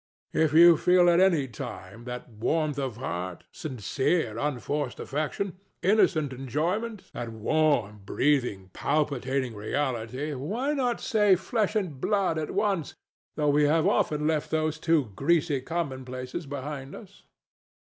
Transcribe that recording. If you feel at any time that warmth of heart, sincere unforced affection, innocent enjoyment, and warm, breathing, palpitating reality DON JUAN. Why not say flesh and blood at once, though we have left those two greasy commonplaces behind us?